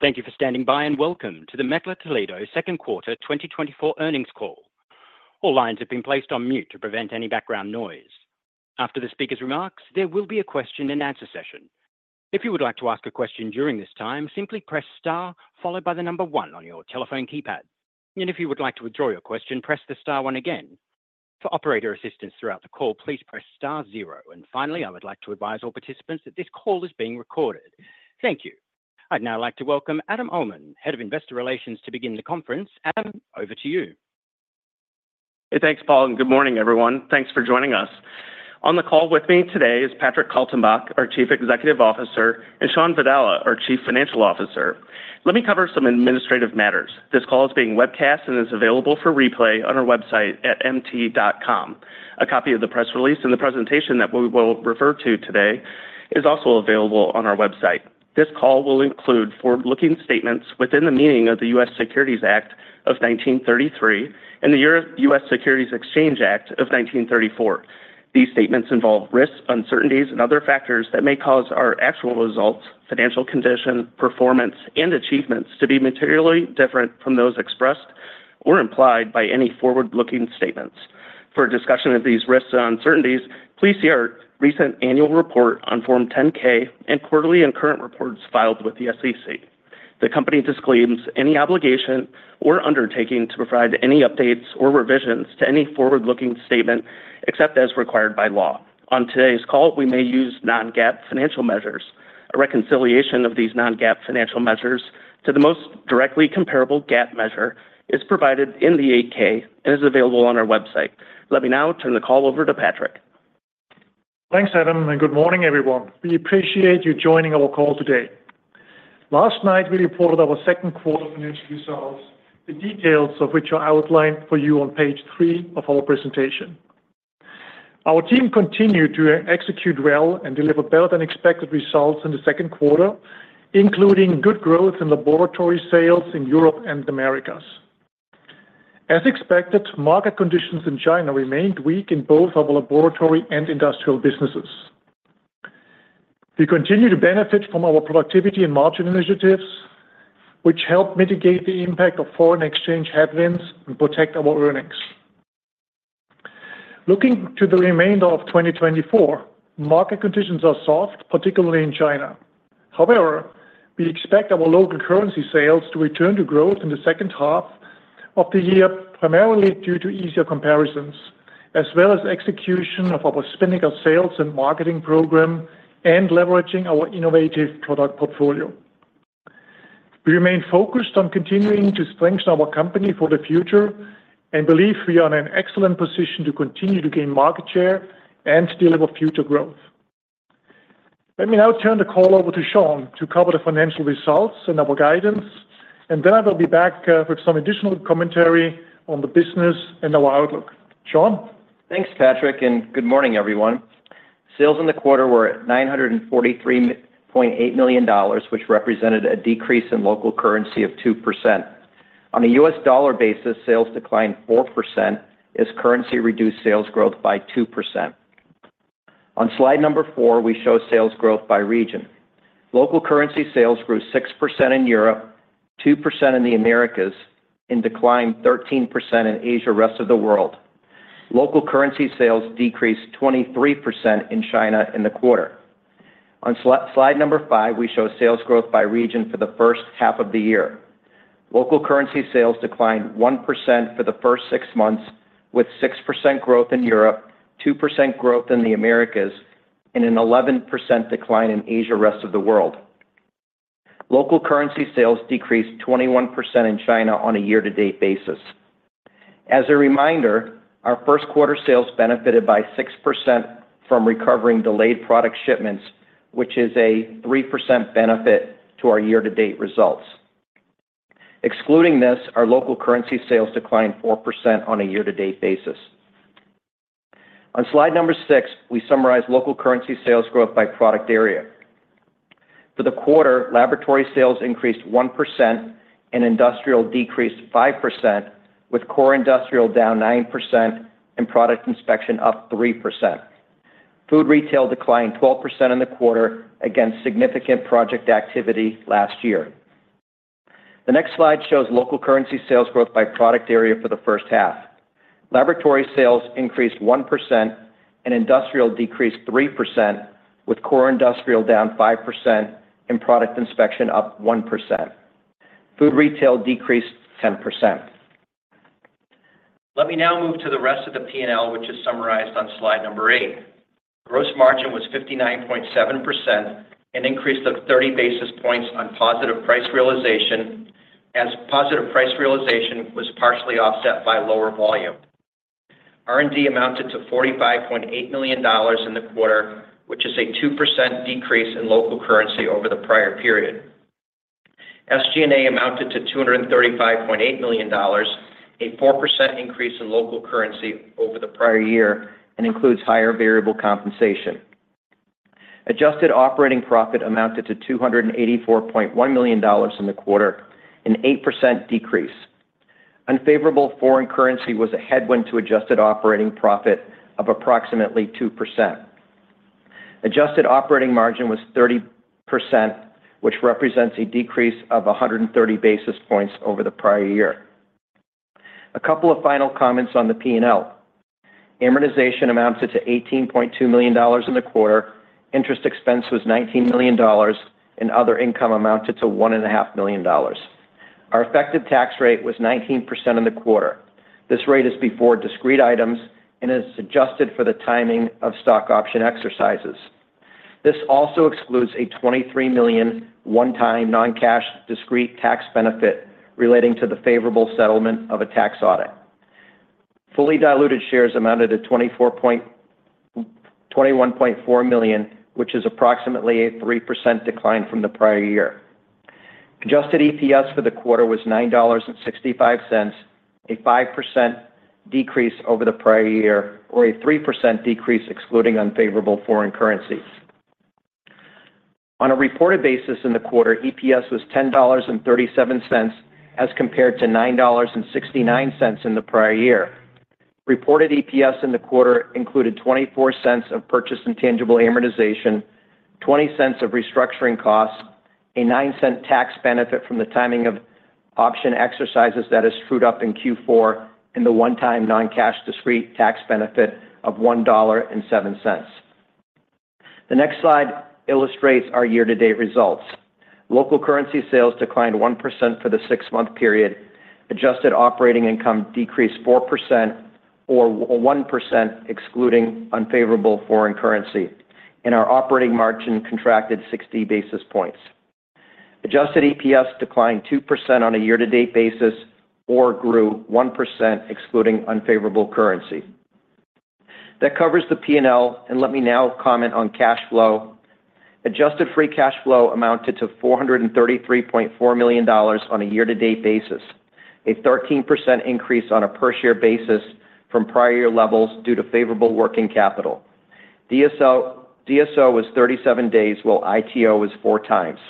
Thank you for standing by, and welcome to the Mettler-Toledo second quarter 2024 earnings call. All lines have been placed on mute to prevent any background noise. After the speaker's remarks, there will be a question and answer session. If you would like to ask a question during this time, simply press star followed by the number one on your telephone keypad. If you would like to withdraw your question, press the star one again. For operator assistance throughout the call, please press star zero. Finally, I would like to advise all participants that this call is being recorded. Thank you. I'd now like to welcome Adam Uhlman, Head of Investor Relations, to begin the conference. Adam, over to you. Hey, thanks, Paul, and good morning, everyone. Thanks for joining us. On the call with me today is Patrick Kaltenbach, our Chief Executive Officer, and Shawn Vadala, our Chief Financial Officer. Let me cover some administrative matters. This call is being webcast and is available for replay on our website at mt.com. A copy of the press release and the presentation that we will refer to today is also available on our website. This call will include forward-looking statements within the meaning of the U.S. Securities Act of 1933 and the U.S. Securities Exchange Act of 1934. These statements involve risks, uncertainties, and other factors that may cause our actual results, financial condition, performance, and achievements to be materially different from those expressed or implied by any forward-looking statements. For a discussion of these risks and uncertainties, please see our recent annual report on Form 10-K and quarterly and current reports filed with the SEC. The company disclaims any obligation or undertaking to provide any updates or revisions to any forward-looking statement, except as required by law. On today's call, we may use non-GAAP financial measures. A reconciliation of these non-GAAP financial measures to the most directly comparable GAAP measure is provided in the 8-K and is available on our website. Let me now turn the call over to Patrick. Thanks, Adam, and good morning, everyone. We appreciate you joining our call today. Last night, we reported our second quarter financial results, the details of which are outlined for you on page three of our presentation. Our team continued to execute well and deliver better-than-expected results in the second quarter, including good growth in laboratory sales in Europe and the Americas. As expected, market conditions in China remained weak in both our laboratory and Industrial businesses. We continue to benefit from our productivity and margin initiatives, which help mitigate the impact of foreign exchange headwinds and protect our earnings. Looking to the remainder of 2024, market conditions are soft, particularly in China. However, we expect our local currency sales to return to growth in the second half of the year, primarily due to easier comparisons, as well as execution of our Spinnaker sales and marketing program and leveraging our innovative product portfolio. We remain focused on continuing to strengthen our company for the future and believe we are in an excellent position to continue to gain market share and deliver future growth. Let me now turn the call over to Shawn to cover the financial results and our guidance, and then I will be back with some additional commentary on the business and our outlook. Shawn? Thanks, Patrick, and good morning, everyone. Sales in the quarter were at $943.8 million, which represented a decrease in local currency of 2%. On a U.S. dollar basis, sales declined 4% as currency reduced sales growth by 2%. On slide 4, we show sales growth by region. Local currency sales grew 6% in Europe, 2% in the Americas, and declined 13% in Asia, rest of the world. Local currency sales decreased 23% in China in the quarter. On slide 5, we show sales growth by region for the first half of the year. Local currency sales declined 1% for the first six months, with 6% growth in Europe, 2% growth in the Americas, and an 11% decline in Asia, rest of the world. Local currency sales decreased 21% in China on a year-to-date basis. As a reminder, our first quarter sales benefited by 6% from recovering delayed product shipments, which is a 3% benefit to our year-to-date results. Excluding this, our local currency sales declined 4% on a year-to-date basis. On slide 6, we summarize local currency sales growth by product area. For the quarter, Laboratory sales increased 1% and Industrial decreased 5%, with Core Industrial down 9% and Product Inspection up 3%. Food Retail declined 12% in the quarter against significant project activity last year. The next slide shows local currency sales growth by product area for the first half. Laboratory sales increased 1% and Industrial decreased 3%, with Core Industrial down 5% and Product Inspection up 1%. Food Retail decreased 10%. Let me now move to the rest of the P&L, which is summarized on slide 8. Gross margin was 59.7%, an increase of 30 basis points on positive price realization, as positive price realization was partially offset by lower volume. R&D amounted to $45.8 million in the quarter, which is a 2% decrease in local currency over the prior period. SG&A amounted to $235.8 million, a 4% increase in local currency over the prior year and includes higher variable compensation. Adjusted operating profit amounted to $284.1 million in the quarter, an 8% decrease.... unfavorable foreign currency was a headwind to adjusted operating profit of approximately 2%. Adjusted operating margin was 30%, which represents a decrease of 130 basis points over the prior year. A couple of final comments on the P&L. Amortization amounted to $18.2 million in the quarter. Interest expense was $19 million, and other income amounted to $1.5 million. Our effective tax rate was 19% in the quarter. This rate is before discrete items and is adjusted for the timing of stock option exercises. This also excludes a $23 million one-time non-cash discrete tax benefit relating to the favorable settlement of a tax audit. Fully diluted shares amounted to 21.4 million, which is approximately a 3% decline from the prior year. Adjusted EPS for the quarter was $9.65, a 5% decrease over the prior year, or a 3% decrease, excluding unfavorable foreign currency. On a reported basis in the quarter, EPS was $10.37, as compared to $9.69 in the prior year. Reported EPS in the quarter included $0.24 of purchase accounting and intangible amortization, $0.20 of restructuring costs, a $0.09 tax benefit from the timing of option exercises that is trued up in Q4, and the one-time non-cash discrete tax benefit of $1.07. The next slide illustrates our year-to-date results. Local currency sales declined 1% for the six-month period. Adjusted operating income decreased 4% or 1%, excluding unfavorable foreign currency, and our operating margin contracted 60 basis points. Adjusted EPS declined 2% on a year-to-date basis or grew 1%, excluding unfavorable currency. That covers the P&L, and let me now comment on cash flow. Adjusted free cash flow amounted to $433.4 million on a year-to-date basis, a 13% increase on a per-share basis from prior year levels due to favorable working capital. DSO, DSO was 37 days, while ITO was 4 times.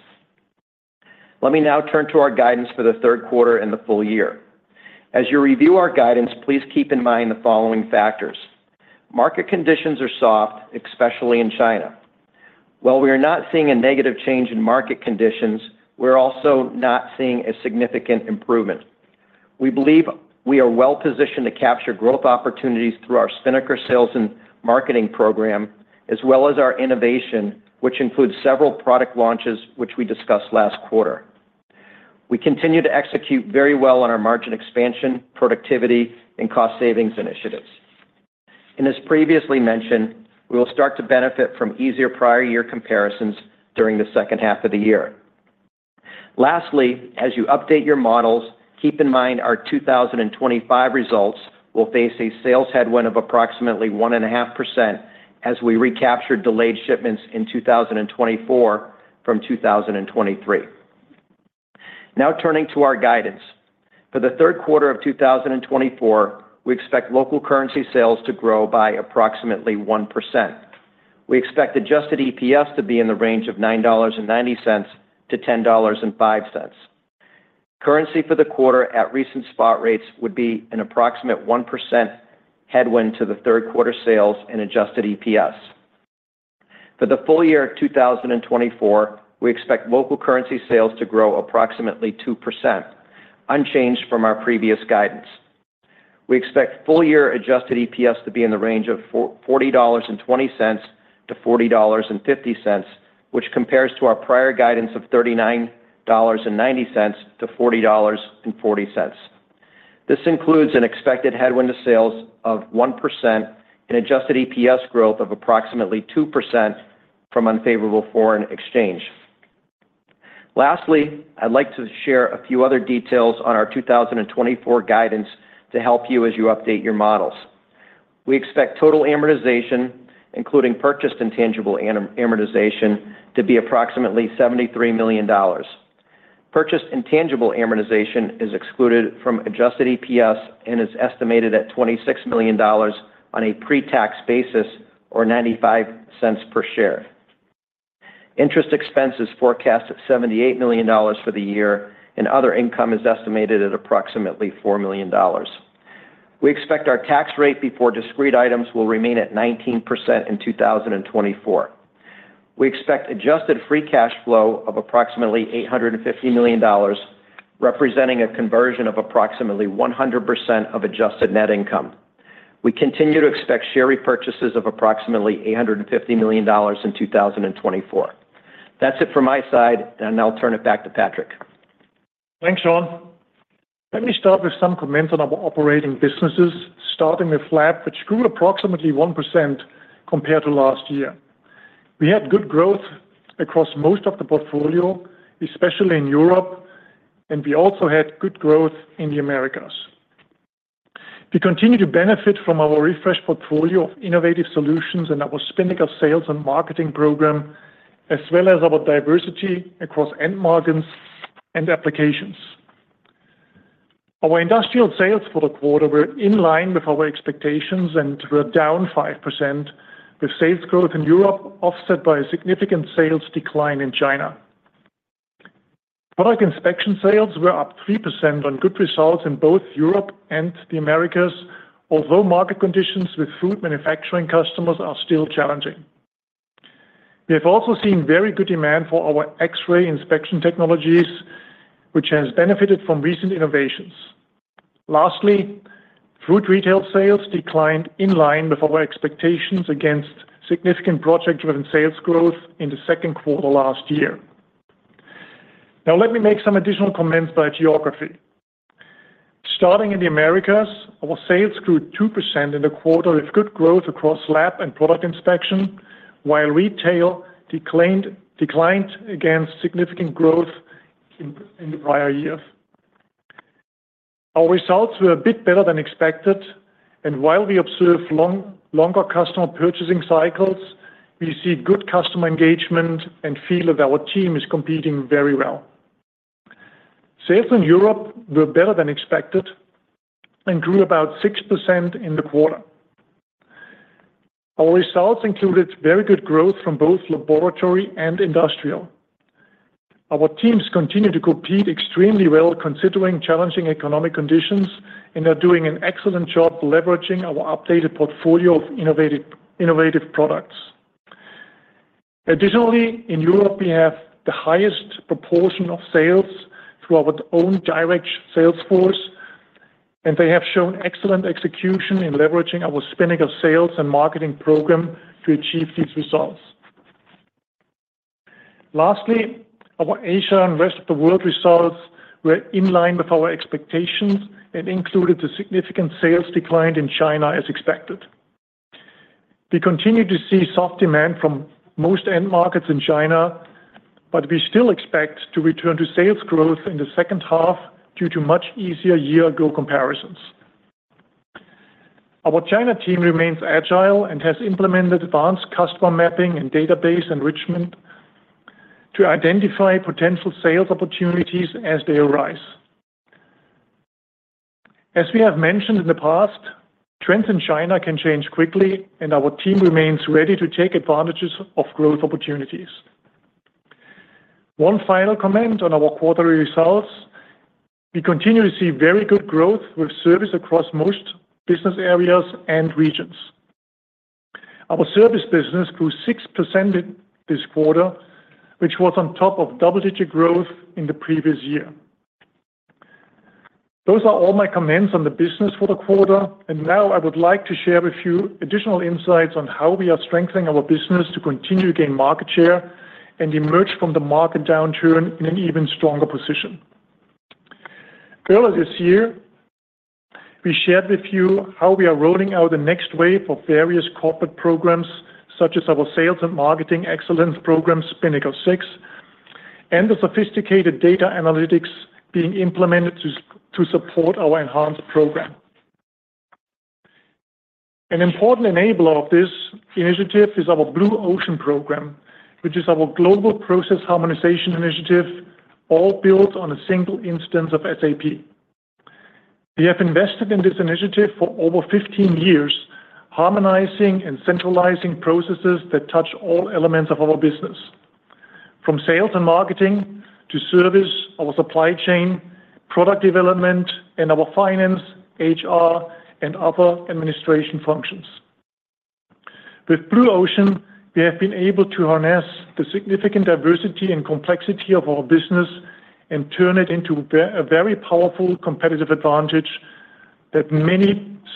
Let me now turn to our guidance for the third quarter and the full year. As you review our guidance, please keep in mind the following factors. Market conditions are soft, especially in China. While we are not seeing a negative change in market conditions, we're also not seeing a significant improvement. We believe we are well-positioned to capture growth opportunities through our Spinnaker sales and marketing program, as well as our innovation, which includes several product launches, which we discussed last quarter. We continue to execute very well on our margin expansion, productivity, and cost savings initiatives. As previously mentioned, we will start to benefit from easier prior year comparisons during the second half of the year. Lastly, as you update your models, keep in mind our 2025 results will face a sales headwind of approximately 1.5% as we recapture delayed shipments in 2024 from 2023. Now, turning to our guidance. For the third quarter of 2024, we expect local currency sales to grow by approximately 1%. We expect adjusted EPS to be in the range of $9.90-$10.05. Currency for the quarter at recent spot rates would be an approximate 1% headwind to the third quarter sales and adjusted EPS. For the full year of 2024, we expect local currency sales to grow approximately 2%, unchanged from our previous guidance. We expect full-year adjusted EPS to be in the range of $40.20-$40.50, which compares to our prior guidance of $39.90-$40.40. This includes an expected headwind to sales of 1% and adjusted EPS growth of approximately 2% from unfavorable foreign exchange. Lastly, I'd like to share a few other details on our 2024 guidance to help you as you update your models. We expect total amortization, including purchased intangible amortization, to be approximately $73 million. Purchased intangible amortization is excluded from adjusted EPS and is estimated at $26 million on a pre-tax basis or $0.95 per share. Interest expense is forecast at $78 million for the year, and other income is estimated at approximately $4 million. We expect our tax rate before discrete items will remain at 19% in 2024. We expect adjusted free cash flow of approximately $850 million, representing a conversion of approximately 100% of adjusted net income. We continue to expect share repurchases of approximately $850 million in 2024. That's it for my side, and I'll turn it back to Patrick. Thanks, Shawn. Let me start with some comments on our operating businesses, starting with Lab, which grew approximately 1% compared to last year. We had good growth across most of the portfolio, especially in Europe, and we also had good growth in the Americas. We continue to benefit from our refreshed portfolio of innovative solutions and our Spinnaker sales and marketing program, as well as our diversity across end markets and applications. Our Industrial sales for the quarter were in line with our expectations and were down 5%, with sales growth in Europe offset by a significant sales decline in China. Product Inspection sales were up 3% on good results in both Europe and the Americas, although market conditions with food manufacturing customers are still challenging. We have also seen very good demand for our X-ray inspection technologies, which has benefited from recent innovations. Lastly, Food Retail sales declined in line with our expectations against significant project-driven sales growth in the second quarter last year. Now, let me make some additional comments by geography. Starting in the Americas, our sales grew 2% in the quarter, with good growth across Lab and Product Inspection, while retail declined, declined against significant growth in, in the prior year. Our results were a bit better than expected, and while we observe long- longer customer purchasing cycles, we see good customer engagement and feel that our team is competing very well. Sales in Europe were better than expected and grew about 6% in the quarter. Our results included very good growth from both laboratory and Industrial. Our teams continue to compete extremely well, considering challenging economic conditions, and are doing an excellent job leveraging our updated portfolio of innovative, innovative products. Additionally, in Europe, we have the highest proportion of sales through our own direct sales force, and they have shown excellent execution in leveraging our Spinnaker sales and marketing program to achieve these results. Lastly, our Asia and rest of the world results were in line with our expectations and included the significant sales decline in China as expected. We continue to see soft demand from most end markets in China, but we still expect to return to sales growth in the second half due to much easier year-ago comparisons. Our China team remains agile and has implemented advanced customer mapping and database enrichment to identify potential sales opportunities as they arise. As we have mentioned in the past, trends in China can change quickly, and our team remains ready to take advantages of growth opportunities. One final comment on our quarterly results: We continue to see very good growth with service across most business areas and regions. Our service business grew 6% this quarter, which was on top of double-digit growth in the previous year. Those are all my comments on the business for the quarter, and now I would like to share with you additional insights on how we are strengthening our business to continue to gain market share and emerge from the market downturn in an even stronger position. Earlier this year, we shared with you how we are rolling out the next wave of various corporate programs, such as our sales and marketing excellence program, Spinnaker 6, and the sophisticated data analytics being implemented to support our enhanced program. An important enabler of this initiative is our Blue Ocean program, which is our global process harmonization initiative, all built on a single instance of SAP. We have invested in this initiative for over 15 years, harmonizing and centralizing processes that touch all elements of our business, from sales and marketing to service, our supply chain, product development, and our finance, HR, and other administration functions. With Blue Ocean, we have been able to harness the significant diversity and complexity of our business and turn it into a very powerful competitive advantage that many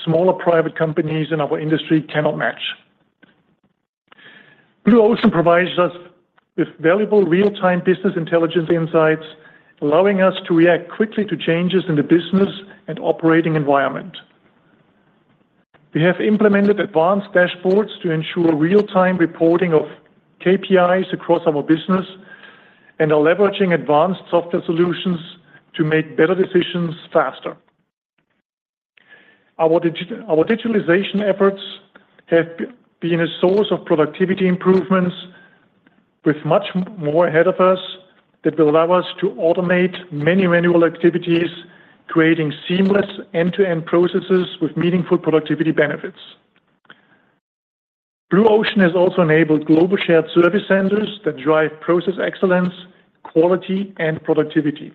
smaller private companies in our industry cannot match. Blue Ocean provides us with valuable real-time business intelligence insights, allowing us to react quickly to changes in the business and operating environment. We have implemented advanced dashboards to ensure real-time reporting of KPIs across our business and are leveraging advanced software solutions to make better decisions faster. Our digitalization efforts have been a source of productivity improvements with much more ahead of us that will allow us to automate many manual activities, creating seamless end-to-end processes with meaningful productivity benefits. Blue Ocean has also enabled global shared service centers that drive process excellence, quality, and productivity.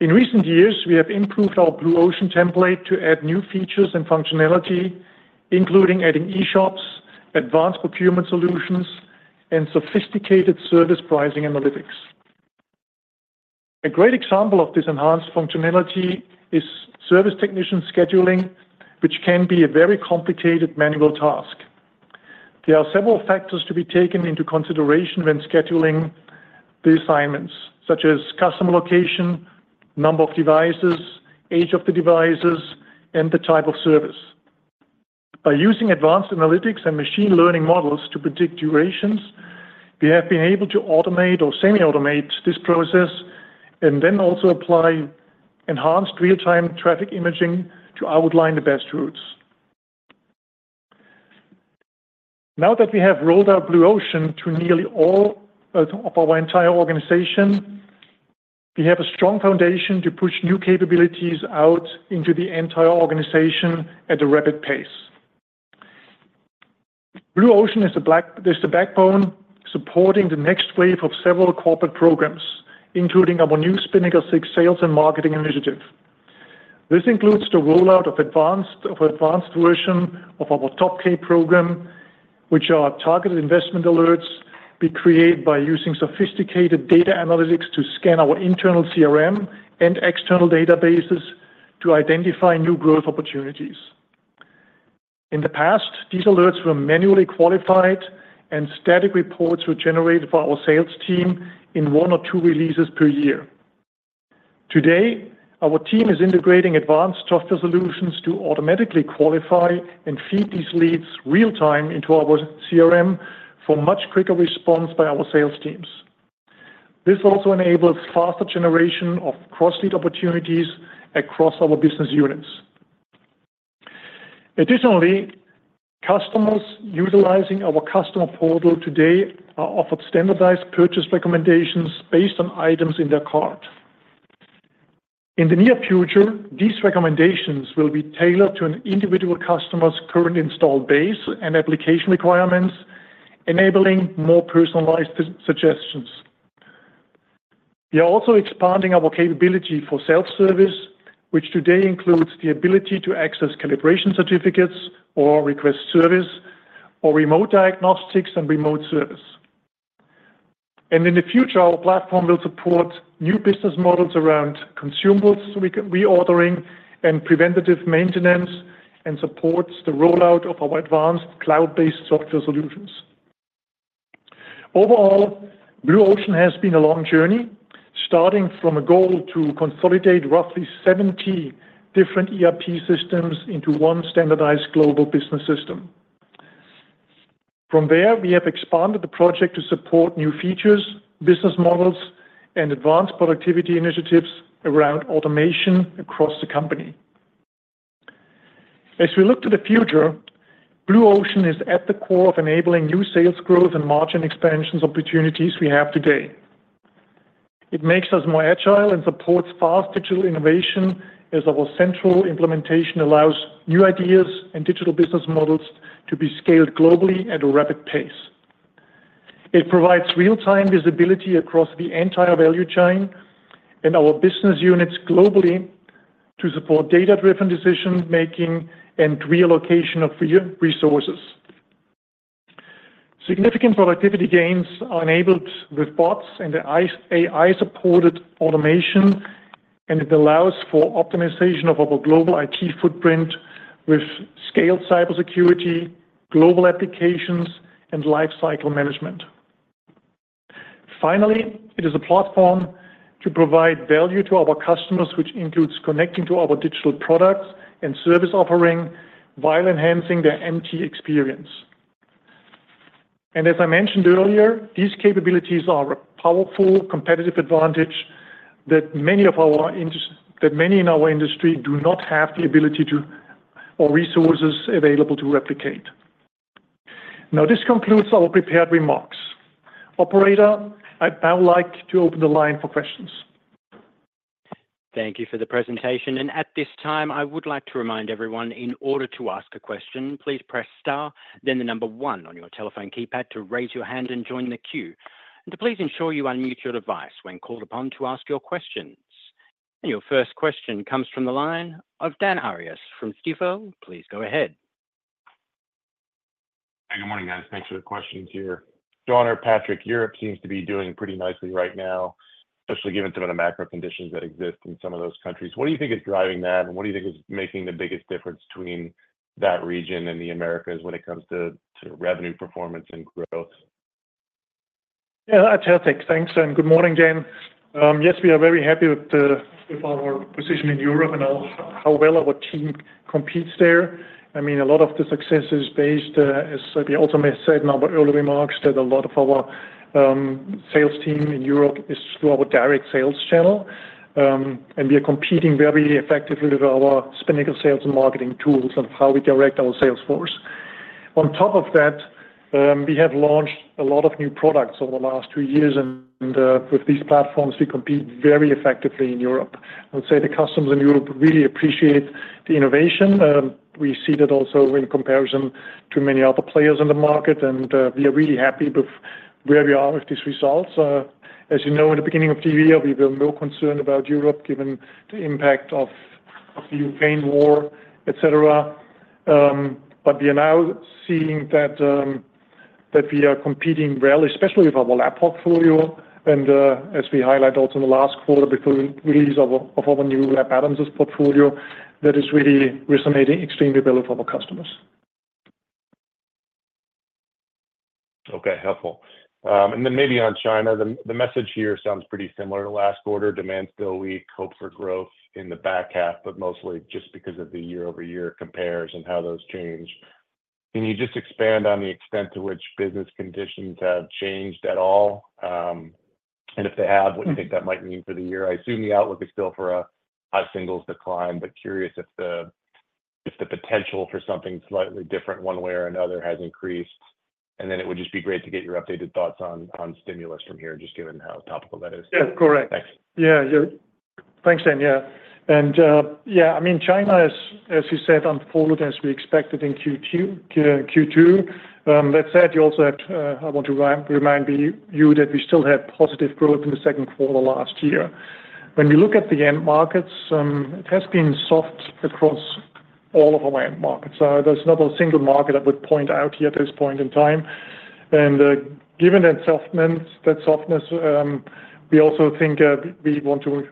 In recent years, we have improved our Blue Ocean template to add new features and functionality, including adding eShops, advanced procurement solutions, and sophisticated service pricing analytics. A great example of this enhanced functionality is service technician scheduling, which can be a very complicated manual task. There are several factors to be taken into consideration when scheduling the assignments, such as customer location, number of devices, age of the devices, and the type of service. By using advanced analytics and machine learning models to predict durations, we have been able to automate or semi-automate this process and then also apply enhanced real-time traffic imaging to outline the best routes. Now that we have rolled out Blue Ocean to nearly all of our entire organization, we have a strong foundation to push new capabilities out into the entire organization at a rapid pace... Blue Ocean is the backbone supporting the next wave of several corporate programs, including our new Spinnaker 6 sales and marketing initiative. This includes the rollout of advanced version of our Top-K program, which are targeted investment alerts we create by using sophisticated data analytics to scan our internal CRM and external databases to identify new growth opportunities. In the past, these alerts were manually qualified, and static reports were generated by our sales team in one or two releases per year. Today, our team is integrating advanced software solutions to automatically qualify and feed these leads real time into our CRM for much quicker response by our sales teams. This also enables faster generation of cross-lead opportunities across our business units. Additionally, customers utilizing our customer portal today are offered standardized purchase recommendations based on items in their cart. In the near future, these recommendations will be tailored to an individual customer's current install base and application requirements, enabling more personalized suggestions. We are also expanding our capability for self-service, which today includes the ability to access calibration certificates or request service or remote diagnostics and remote service. In the future, our platform will support new business models around consumables re-reordering and preventative maintenance, and supports the rollout of our advanced cloud-based software solutions. Overall, Blue Ocean has been a long journey, starting from a goal to consolidate roughly 70 different ERP systems into one standardized global business system. From there, we have expanded the project to support new features, business models, and advanced productivity initiatives around automation across the company. As we look to the future, Blue Ocean is at the core of enabling new sales growth and margin expansion opportunities we have today. It makes us more agile and supports fast digital innovation, as our central implementation allows new ideas and digital business models to be scaled globally at a rapid pace. It provides real-time visibility across the entire value chain and our business units globally to support data-driven decision making and reallocation of resources. Significant productivity gains are enabled with bots and the AI-supported automation, and it allows for optimization of our global IT footprint with scaled cybersecurity, global applications, and lifecycle management. Finally, it is a platform to provide value to our customers, which includes connecting to our digital products and service offering while enhancing their MT experience. As I mentioned earlier, these capabilities are a powerful competitive advantage that many in our industry do not have the ability to or resources available to replicate. Now, this concludes our prepared remarks. Operator, I'd now like to open the line for questions. Thank you for the presentation. At this time, I would like to remind everyone, in order to ask a question, please press star, then the number one on your telephone keypad to raise your hand and join the queue. To please ensure you unmute your device when called upon to ask your questions. Your first question comes from the line of Dan Arias from Stifel. Please go ahead. Hi, good morning, guys. Thanks for the questions here. Tell me, Patrick, Europe seems to be doing pretty nicely right now, especially given some of the macro conditions that exist in some of those countries. What do you think is driving that, and what do you think is making the biggest difference between that region and the Americas when it comes to revenue, performance, and growth? Yeah, that's perfect. Thanks, and good morning, Dan. Yes, we are very happy with our position in Europe and how well our team competes there. I mean, a lot of the success is based, as we ultimately said in our early remarks, that a lot of our sales team in Europe is through our direct sales channel. And we are competing very effectively with our Spinnaker sales and marketing tools and how we direct our sales force. On top of that, we have launched a lot of new products over the last two years, and with these platforms, we compete very effectively in Europe. I would say the customers in Europe really appreciate the innovation. We see that also in comparison to many other players in the market, and we are really happy with where we are with these results. As you know, in the beginning of the year, we were more concerned about Europe, given the impact of the Ukraine war, et cetera. But we are now seeing that we are competing well, especially with our Lab portfolio. And as we highlight also in the last quarter with the release of our new Lab automation portfolio, that is really resonating extremely well with our customers. Okay, helpful. And then maybe on China, the message here sounds pretty similar to last quarter. Demand is still weak, hope for growth in the back half, but mostly just because of the year-over-year compares and how those change. Can you just expand on the extent to which business conditions have changed at all? And if they have, what do you think that might mean for the year? I assume the outlook is still for a high singles decline, but curious if the potential for something slightly different one way or another has increased. ...And then it would just be great to get your updated thoughts on stimulus from here, just given how topical that is. Yeah, correct. Thanks. Yeah, yeah. Thanks, Dan. Yeah, and yeah, I mean, China, as you said, unfolded as we expected in Q2. That said, you also have to, I want to remind you that we still had positive growth in the second quarter last year. When we look at the end markets, it has been soft across all of our end markets. There's not a single market I would point out here at this point in time. And, given that softness, we also think we want to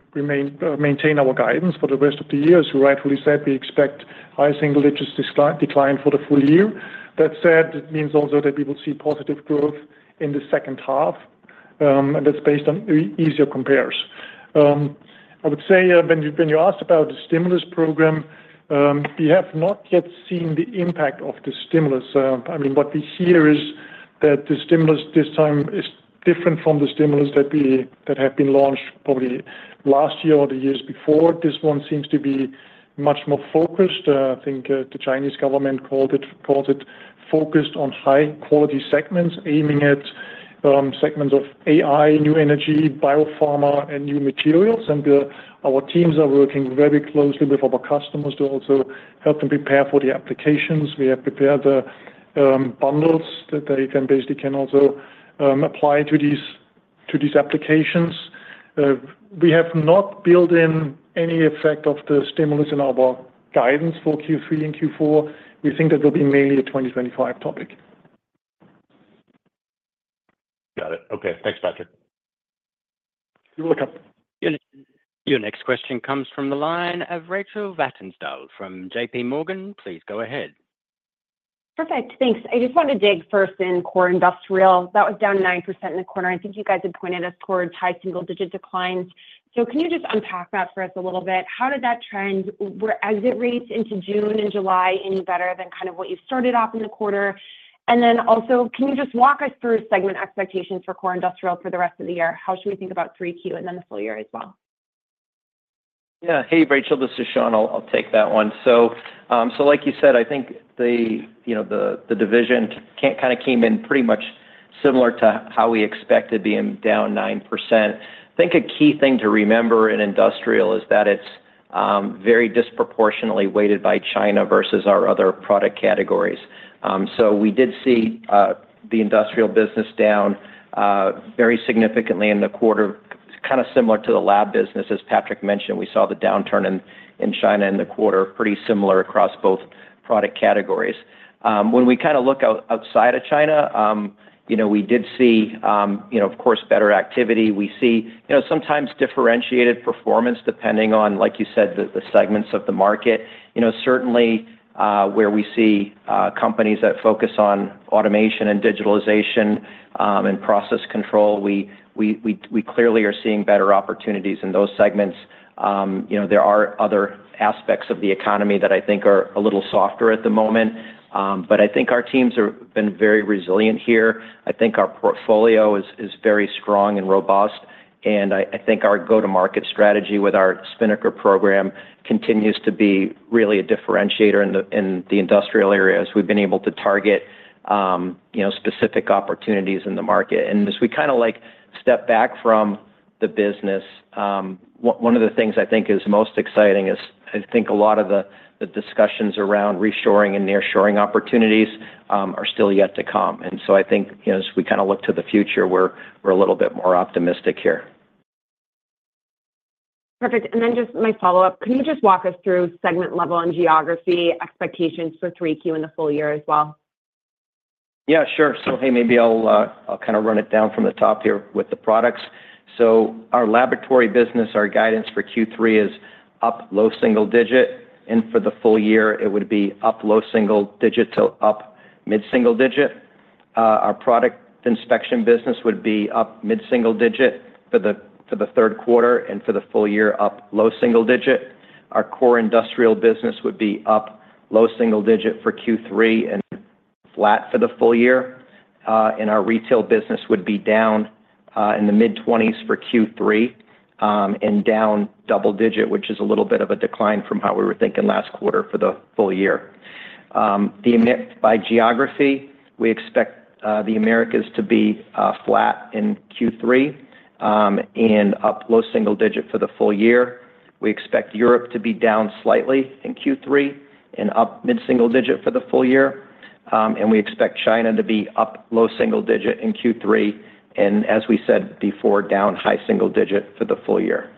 maintain our guidance for the rest of the year. As you rightfully said, we expect high single digits decline for the full year. That said, it means also that we will see positive growth in the second half, and that's based on easier compares. I would say, when you asked about the stimulus program, we have not yet seen the impact of the stimulus. I mean, what we see here is that the stimulus this time is different from the stimulus that have been launched probably last year or the years before. This one seems to be much more focused. I think, the Chinese government called it focused on high-quality segments, aiming at, segments of AI, new energy, biopharma, and new materials. And, our teams are working very closely with our customers to also help them prepare for the applications. We have prepared, bundles that they can basically also, apply to these applications. We have not built in any effect of the stimulus in our guidance for Q3 and Q4. We think that will be mainly a 2025 topic. Got it. Okay, thanks, Patrick. You're welcome. Your next question comes from the line of Rachel Vatnsdal from JPMorgan. Please go ahead. Perfect. Thanks. I just wanted to dig first in Core Industrial. That was down 9% in the quarter. I think you guys had pointed us towards high single-digit declines. So can you just unpack that for us a little bit? How did that trend? Were exit rates into June and July any better than kind of what you started off in the quarter? And then also, can you just walk us through segment expectations for Core Industrial for the rest of the year? How should we think about 3Q and then the full year as well? Yeah. Hey, Rachel, this is Shawn. I'll, I'll take that one. So, so like you said, I think the, you know, the, the division kinda came in pretty much similar to how we expected, being down 9%. I think a key thing to remember in Industrial is that it's very disproportionately weighted by China versus our other product categories. So we did see the Industrial business down very significantly in the quarter. Kinda similar to the Lab business. As Patrick mentioned, we saw the downturn in China in the quarter, pretty similar across both product categories. When we kinda look outside of China, you know, we did see, you know, of course, better activity. We see, you know, sometimes differentiated performance, depending on, like you said, the, the segments of the market. You know, certainly, where we see companies that focus on automation and digitalization, and process control, we clearly are seeing better opportunities in those segments. You know, there are other aspects of the economy that I think are a little softer at the moment. But I think our teams have been very resilient here. I think our portfolio is very strong and robust, and I think our go-to-market strategy with our Spinnaker program continues to be really a differentiator in the Industrial areas. We've been able to target, you know, specific opportunities in the market. And as we kinda like step back from the business, one of the things I think is most exciting is, I think a lot of the discussions around reshoring and nearshoring opportunities are still yet to come. And so I think, you know, as we kinda look to the future, we're a little bit more optimistic here. Perfect. And then just my follow-up, can you just walk us through segment level and geography expectations for 3Q in the full year as well? Yeah, sure. So, hey, maybe I'll kinda run it down from the top here with the products. So our Laboratory business, our guidance for Q3 is up low single digit, and for the full year it would be up low single digit to up mid-single digit. Our Product Inspection business would be up mid-single digit for the third quarter, and for the full year, up low single digit. Our Core Industrial business would be up low single digit for Q3 and flat for the full year. And our retail business would be down in the mid-twenties for Q3 and down double digit, which is a little bit of a decline from what we were thinking last quarter for the full year. By geography, we expect the Americas to be flat in Q3 and up low single-digit for the full year. We expect Europe to be down slightly in Q3 and up mid-single-digit for the full year. We expect China to be up low single-digit in Q3, and as we said before, down high single-digit for the full year.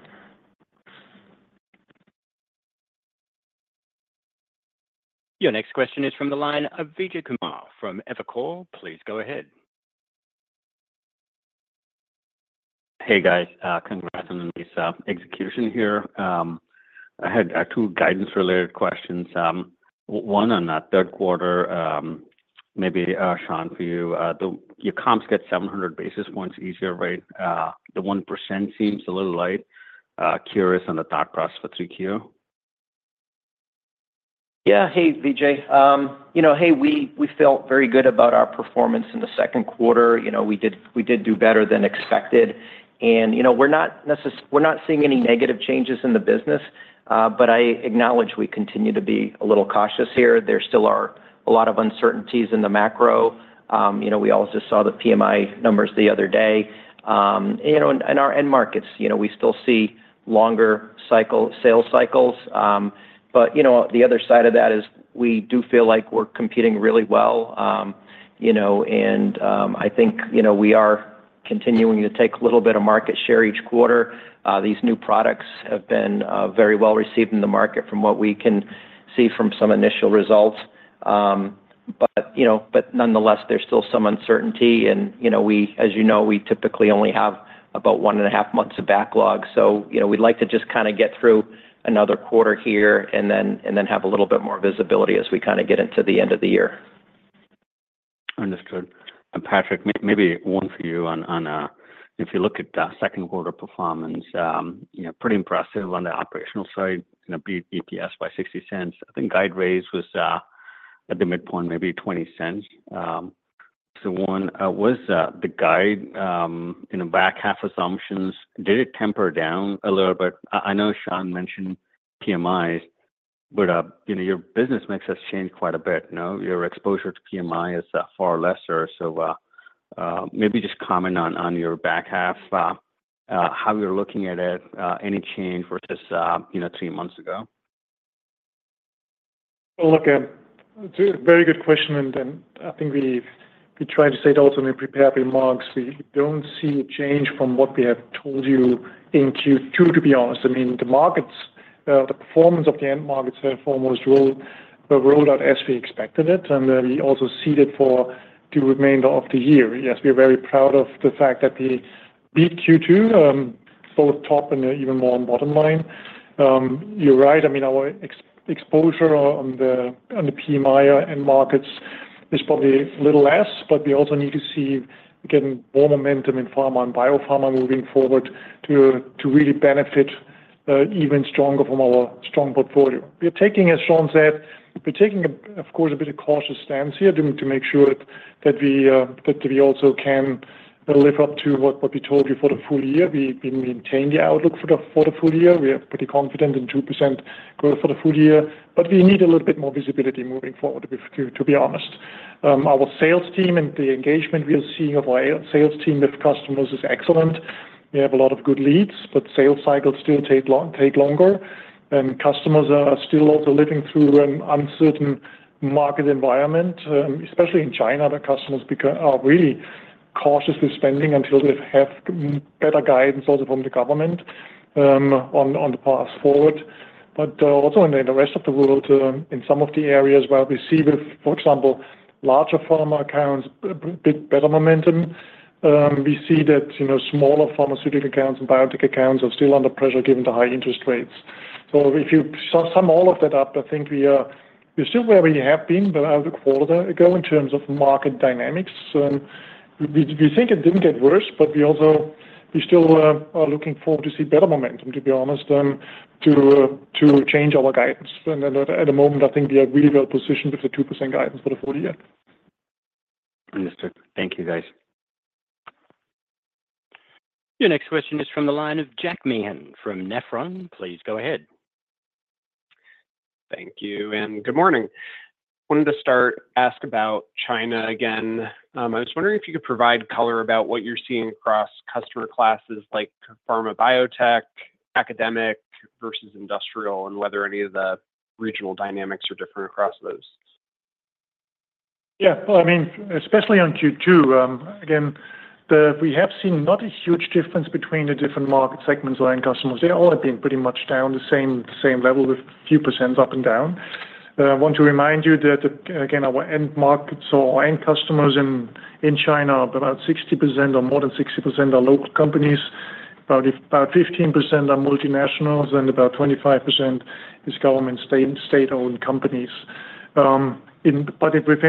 Your next question is from the line of Vijay Kumar from Evercore. Please go ahead. Hey, guys. Congrats on this execution here. I had two guidance-related questions. One on that third quarter, maybe, Shawn, for you. Your comps get 700 basis points easier, right? The 1% seems a little light. Curious on the thought process for 3Q. Yeah. Hey, Vijay. You know, hey, we, we felt very good about our performance in the second quarter. You know, we did, we did do better than expected, and, you know, we're not necess-- we're not seeing any negative changes in the business. But I acknowledge we continue to be a little cautious here. There still are a lot of uncertainties in the macro. You know, we all just saw the PMI numbers the other day. You know, and, and our end markets, you know, we still see longer cycle, sales cycles. But, you know, the other side of that is we do feel like we're competing really well. You know, and, I think, you know, we are continuing to take a little bit of market share each quarter. These new products have been very well received in the market from what we can see from some initial results. But, you know, nonetheless, there's still some uncertainty and, you know, as you know, we typically only have about one and a half months of backlog. So, you know, we'd like to just kinda get through another quarter here, and then have a little bit more visibility as we kinda get into the end of the year. Understood. And Patrick, maybe one for you on, if you look at the second quarter performance, you know, pretty impressive on the operational side, you know, beat EPS by $0.60. I think guide raise was at the midpoint, maybe $0.20. So, was the guide, you know, back half assumptions, did it temper down a little bit? I know Shawn mentioned PMI, but, you know, your business mix has changed quite a bit, no? Your exposure to PMI is far lesser. So, maybe just comment on, your back half, how you're looking at it, any change versus, you know, three months ago? Well, look, it's a very good question, and then I think we tried to say it also in the prepared remarks. We don't see a change from what we have told you in Q2, to be honest. I mean, the markets, the performance of the end markets, foremost rolled out as we expected it, and we also see it for the remainder of the year. Yes, we are very proud of the fact that we beat Q2, both top and even more on bottom line. You're right, I mean, our exposure on the PMI end markets is probably a little less, but we also need to see, again, more momentum in pharma and biopharma moving forward to really benefit even stronger from our strong portfolio. As Shawn said, we're taking, of course, a bit of cautious stance here to make sure that we that we also can live up to what we told you for the full year. We maintain the outlook for the full year. We are pretty confident in 2% growth for the full year, but we need a little bit more visibility moving forward, to be honest. Our sales team and the engagement we are seeing of our sales team with customers is excellent. We have a lot of good leads, but sales cycles still take longer, and customers are still also living through an uncertain market environment. Especially in China, the customers are really cautiously spending until they have better guidance also from the government, on the path forward. But also in the rest of the world, in some of the areas where we see with, for example, larger pharma accounts, a bit better momentum. We see that, you know, smaller pharmaceutical accounts and biotech accounts are still under pressure given the high interest rates. So if you sum all of that up, I think we are... We're still where we have been throughout the quarter or so ago in terms of market dynamics. We think it didn't get worse, but we also we still are looking forward to see better momentum, to be honest, to change our guidance. And at the moment, I think we are really well positioned with the 2% guidance for the full year. Understood. Thank you, guys. Your next question is from the line of Jack Meehan from Nephron. Please go ahead. Thank you, and good morning. Wanted to start, ask about China again. I was wondering if you could provide color about what you're seeing across customer classes like pharma, biotech, academic versus Industrial, and whether any of the regional dynamics are different across those? Yeah. Well, I mean, especially on Q2, again, we have seen not a huge difference between the different market segments or end customers. They all have been pretty much down the same level, with few % up and down. I want to remind you that, again, our end markets or end customers in China, about 60% or more than 60% are local companies, about 15% are multinationals, and about 25% is government state-owned companies. But within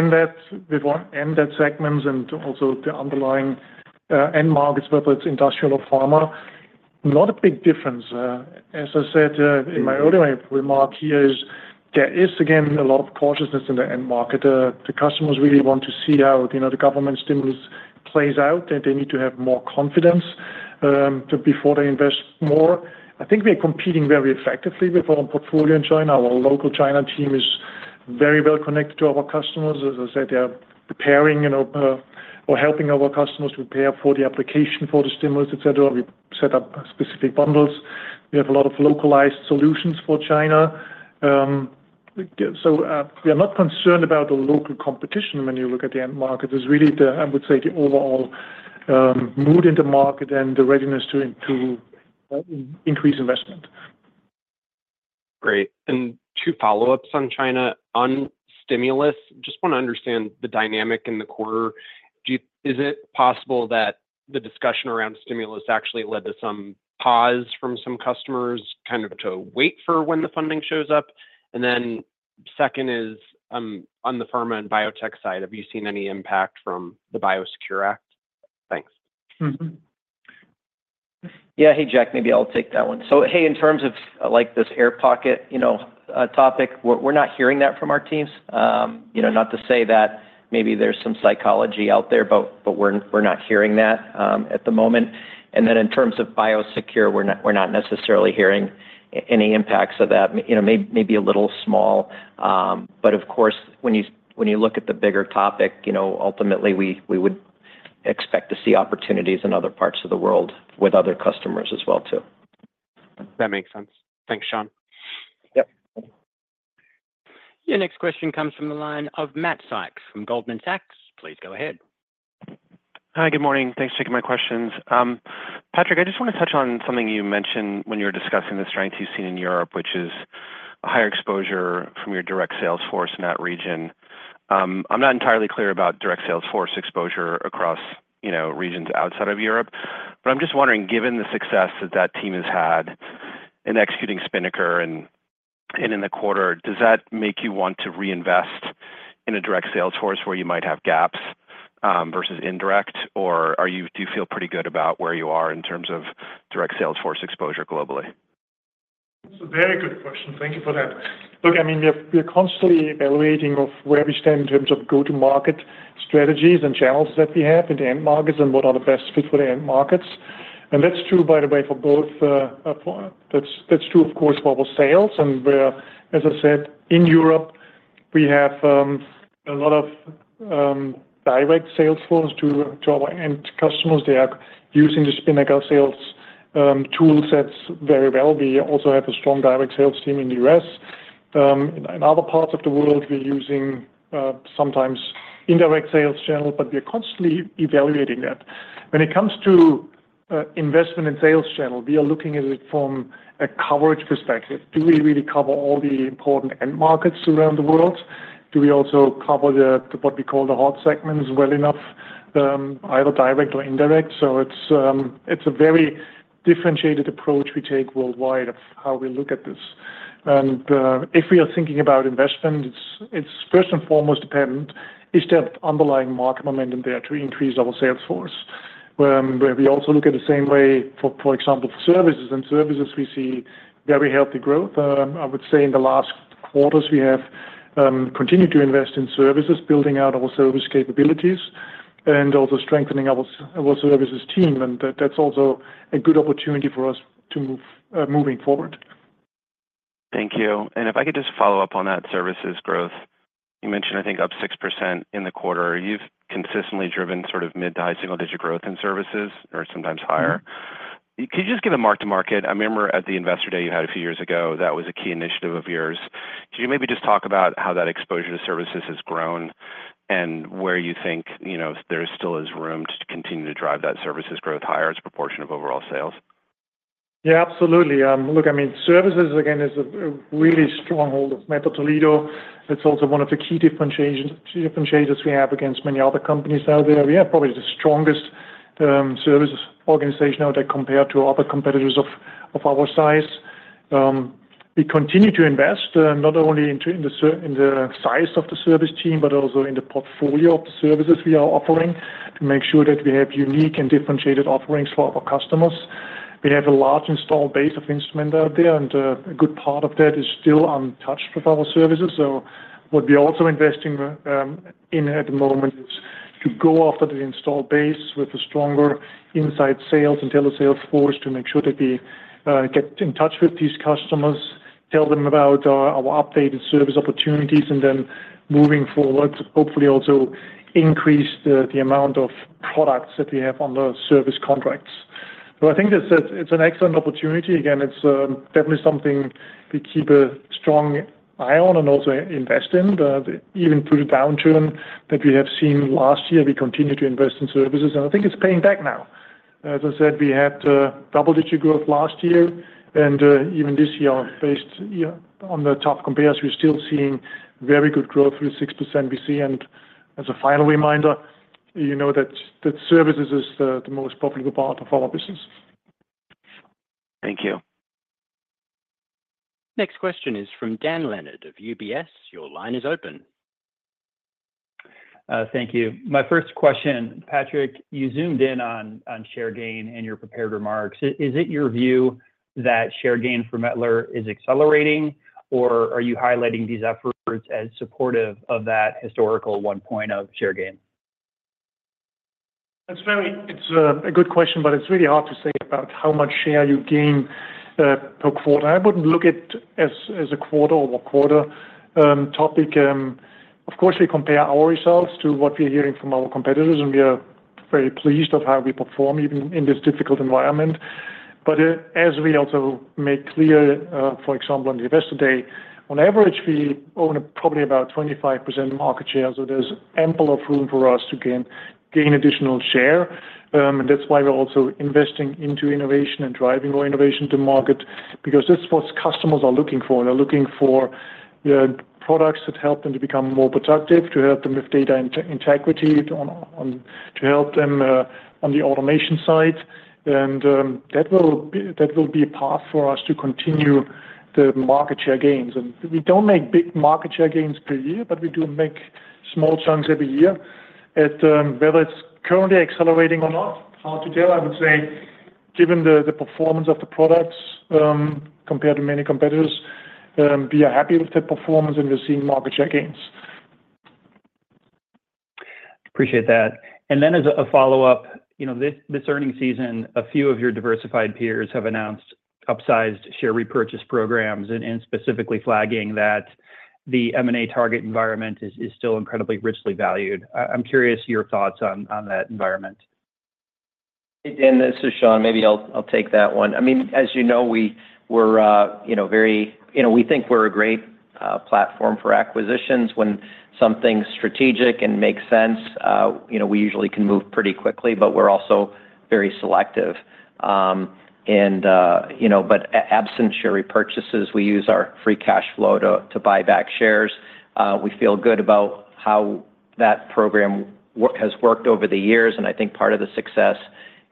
that, within end segments and also the underlying end markets, whether it's Industrial or pharma, not a big difference. As I said in my earlier remark here, there is, again, a lot of cautiousness in the end market. The customers really want to see how, you know, the government stimulus plays out, and they need to have more confidence before they invest more. I think we're competing very effectively with our own portfolio in China. Our local China team is very well connected to our customers. As I said, they are preparing, you know, or helping our customers to prepare for the application for the stimulus, et cetera. We've set up specific bundles. We have a lot of localized solutions for China. So, we are not concerned about the local competition when you look at the end market. It's really the, I would say, the overall mood in the market and the readiness to increase investment. Great. Two follow-ups on China. On stimulus, just want to understand the dynamic in the quarter. Is it possible that the discussion around stimulus actually led to some pause from some customers, kind of to wait for when the funding shows up? And then second is, on the pharma and biotech side, have you seen any impact from the BioSecure Act? Thanks. Yeah. Hey, Jack, maybe I'll take that one. So hey, in terms of, like, this air pocket, you know, topic, we're, we're not hearing that from our teams. You know, not to say that maybe there's some psychology out there, but, but we're, we're not hearing that at the moment. And then in terms of BioSecure, we're not, we're not necessarily hearing any impacts of that. You know, maybe a little small. But of course, when you, when you look at the bigger topic, you know, ultimately, we, we would expect to see opportunities in other parts of the world with other customers as well, too. That makes sense. Thanks, Shawn. Yep. Your next question comes from the line of Matt Sykes from Goldman Sachs. Please go ahead. Hi, good morning. Thanks for taking my questions. Patrick, I just want to touch on something you mentioned when you were discussing the strengths you've seen in Europe, which is a higher exposure from your direct sales force in that region. I'm not entirely clear about direct sales force exposure across, you know, regions outside of Europe, but I'm just wondering, given the success that that team has had in executing Spinnaker and in the quarter, does that make you want to reinvest in a direct sales force where you might have gaps versus indirect? Or, do you feel pretty good about where you are in terms of direct sales force exposure globally? It's a very good question. Thank you for that. Look, I mean, we're constantly evaluating of where we stand in terms of go-to-market strategies and channels that we have in the end markets and what are the best fit for the end markets. That's true, by the way, for both. That's true, of course, for our sales and where, as I said, in Europe, we have a lot of direct sales force to our end customers. They are using the Spinnaker sales toolsets very well. We also have a strong direct sales team in the U.S. In other parts of the world, we're using sometimes indirect sales channel, but we are constantly evaluating that. When it comes to investment in sales channel, we are looking at it from a coverage perspective. Do we really cover all the important end markets around the world? Do we also cover the, what we call the hot segments, well enough, either direct or indirect? So it's, it's a very differentiated approach we take worldwide of how we look at this. And, if we are thinking about investment, it's, it's first and foremost dependent, is there underlying market momentum there to increase our sales force? But we also look at the same way, for, for example, services. And services, we see very healthy growth. I would say in the last quarters, we have, continued to invest in services, building out our service capabilities and also strengthening our, our services team, and that's also a good opportunity for us to move, moving forward. Thank you. If I could just follow up on that services growth. You mentioned, I think, up 6% in the quarter. You've consistently driven sort of mid- to high-single-digit growth in services or sometimes higher. Could you just give a mark-to-market? I remember at the Investor Day you had a few years ago, that was a key initiative of yours. Could you maybe just talk about how that exposure to services has grown and where you think, you know, there still is room to continue to drive that services growth higher as a proportion of overall sales? Yeah, absolutely. Look, I mean, services, again, is a really strong hold of Mettler-Toledo. It's also one of the key differentiations, differentiators we have against many other companies out there. We have probably the strongest, services organization out there compared to other competitors of our size. We continue to invest, not only into the in the size of the service team, but also in the portfolio of the services we are offering, to make sure that we have unique and differentiated offerings for our customers. We have a large installed base of instrument out there, and a good part of that is still untouched with our services. So what we're also investing in at the moment is to go after the installed base with a stronger inside sales and telesales force to make sure that we get in touch with these customers, tell them about our updated service opportunities, and then moving forward, hopefully also increase the amount of products that we have on the service contracts. So I think it's an excellent opportunity. Again, it's definitely something we keep a strong eye on and also invest in. Even through the downturn that we have seen last year, we continued to invest in services, and I think it's paying back now. As I said, we had double-digit growth last year, and even this year, based on the tough compares, we're still seeing very good growth with 6% we see. As a final reminder, you know that services is the most profitable part of our business. Thank you. Next question is from Dan Leonard of UBS. Your line is open. Thank you. My first question, Patrick, you zoomed in on share gain in your prepared remarks. Is it your view that share gain for Mettler is accelerating, or are you highlighting these efforts as supportive of that historical one point of share gain? That's a good question, but it's really hard to say about how much share you gain per quarter. I wouldn't look at as a quarter-over-quarter topic. Of course, we compare our results to what we're hearing from our competitors, and we are very pleased with how we perform even in this difficult environment. But as we also make clear, for example, on the Investor Day, on average, we own probably about 25% market share, so there's ample room for us to gain additional share. And that's why we're also investing into innovation and driving more innovation to market, because that's what customers are looking for. They're looking for products that help them to become more productive, to help them with data integrity, on the automation side. And that will be, that will be a path for us to continue the market share gains. And we don't make big market share gains per year, but we do make small chunks every year. At whether it's currently accelerating or not, hard to tell. I would say, given the, the performance of the products, compared to many competitors, we are happy with the performance, and we're seeing market share gains. Appreciate that. And then as a follow-up, you know, this earnings season, a few of your diversified peers have announced upsized share repurchase programs and specifically flagging that the M&A target environment is still incredibly richly valued. I'm curious your thoughts on that environment. This is Shawn. Maybe I'll take that one. I mean, as you know, we're, you know, very, you know, we think we're a great platform for acquisitions. When something's strategic and makes sense, you know, we usually can move pretty quickly, but we're also very selective. And, you know, but absent share repurchases, we use our free cash flow to buy back shares. We feel good about how that program has worked over the years, and I think part of the success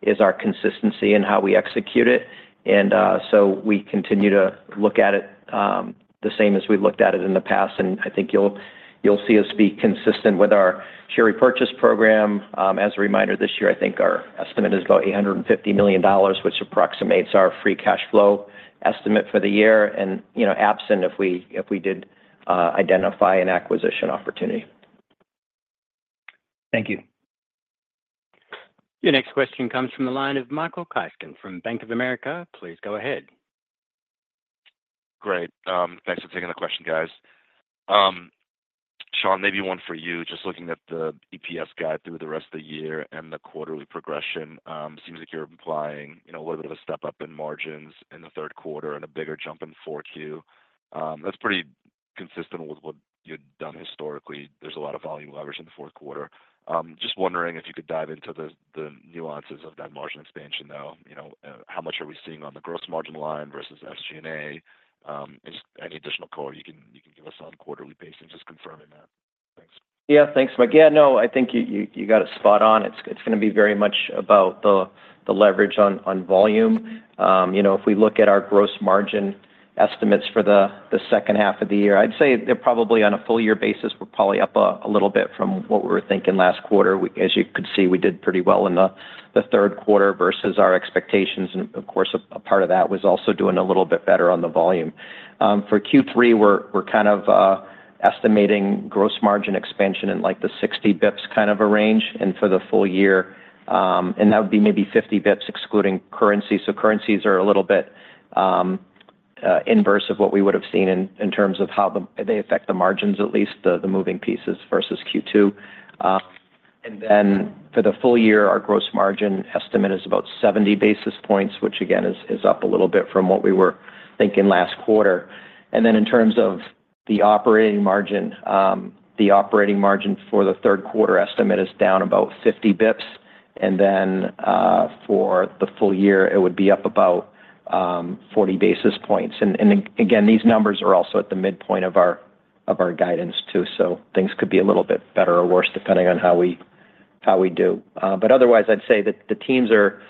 is our consistency in how we execute it. And so we continue to look at it the same as we've looked at it in the past, and I think you'll see us be consistent with our share repurchase program. As a reminder, this year, I think our estimate is about $850 million, which approximates our free cash flow estimate for the year, and, you know, absent if we did identify an acquisition opportunity. Thank you. Your next question comes from the line of Michael Ryskin from Bank of America. Please go ahead. Great. Thanks for taking the question, guys. Shawn, maybe one for you. Just looking at the EPS guide through the rest of the year and the quarterly progression, seems like you're implying, you know, a little bit of a step up in margins in the third quarter and a bigger jump in four Q. That's pretty consistent with what you've done historically. There's a lot of volume leverage in the fourth quarter. Just wondering if you could dive into the nuances of that margin expansion, though. You know, how much are we seeing on the gross margin line versus SG&A? And just any additional color you can give us on quarterly pacing, just confirming that. Thanks. Yeah. Thanks, Mike. Yeah, no, I think you got it spot on. It's gonna be very much about the leverage on volume. You know, if we look at our gross margin estimates for the second half of the year, I'd say they're probably on a full year basis, we're probably up a little bit from what we were thinking last quarter. As you could see, we did pretty well in the third quarter versus our expectations, and of course, a part of that was also doing a little bit better on the volume. For Q3, we're kind of estimating gross margin expansion in, like, the 60 basis points kind of a range, and for the full year... And that would be maybe 50 basis points, excluding currency. So currencies are a little bit inverse of what we would have seen in terms of how they affect the margins, at least the moving pieces versus Q2. And then for the full year, our gross margin estimate is about 70 basis points, which again is up a little bit from what we were thinking last quarter. And then in terms of the operating margin, the operating margin for the third quarter estimate is down about 50 basis points, and then for the full year, it would be up about 40 basis points. And again, these numbers are also at the midpoint of our guidance, too, so things could be a little bit better or worse, depending on how we do. But otherwise, I'd say that the teams are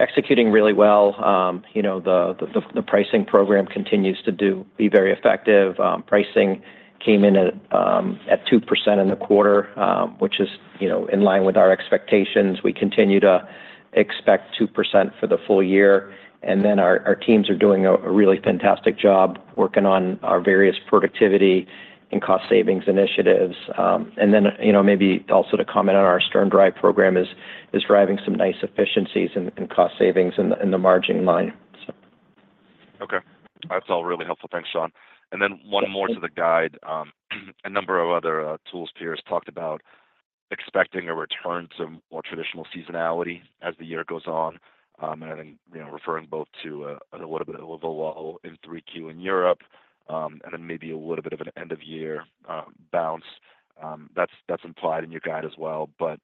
executing really well. You know, the pricing program continues to be very effective. Pricing came in at 2% in the quarter, which is, you know, in line with our expectations. We continue to expect 2% for the full year, and then our teams are doing a really fantastic job working on our various productivity and cost savings initiatives. And then, you know, maybe also to comment on our SternDrive program is driving some nice efficiencies and cost savings in the margin line, so. Okay. That's all really helpful. Thanks, Shawn. And then one more to the guide. A number of other peers talked about expecting a return to more traditional seasonality as the year goes on. And then, you know, referring both to a little bit of a lull in Q3 in Europe, and then maybe a little bit of an end-of-year bounce. That's implied in your guide as well, but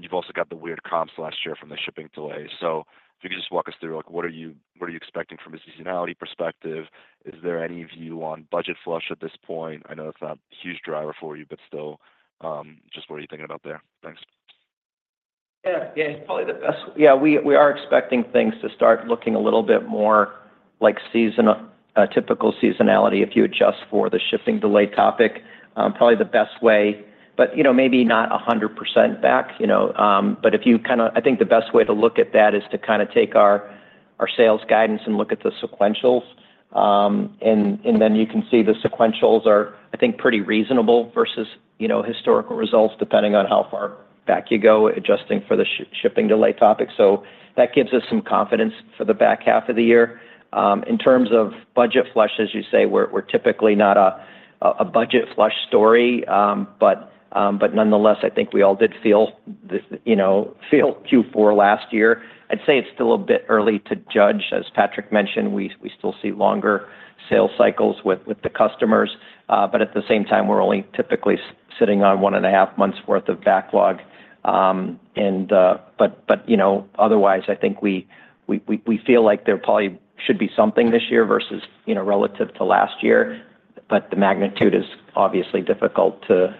you've also got the weird comps last year from the shipping delay. So if you could just walk us through, like, what are you expecting from a seasonality perspective? Is there any view on budget flush at this point? I know it's not a huge driver for you, but still, just what are you thinking about there? Thanks. Yeah, yeah, probably the best, yeah, we are expecting things to start looking a little bit more like seasonal typical seasonality if you adjust for the shipping delay topic. Probably the best way. But, you know, maybe not 100% back, you know. But if you kinda, I think the best way to look at that is to kinda take our sales guidance and look at the sequentials. And, and then you can see the sequentials are, I think, pretty reasonable versus, you know, historical results, depending on how far back you go, adjusting for the shipping delay topic. So that gives us some confidence for the back half of the year. In terms of budget flush, as you say, we're, we're typically not a budget flush story. But nonetheless, I think we all did feel this, you know, feel Q4 last year. I'd say it's still a bit early to judge. As Patrick mentioned, we still see longer sales cycles with the customers, but at the same time, we're only typically sitting on 1.5 months' worth of backlog. And, you know, otherwise, I think we feel like there probably should be something this year versus, you know, relative to last year, but the magnitude is obviously difficult to